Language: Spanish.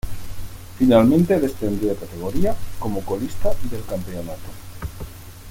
Finalmente descendió de categoría como colista del campeonato.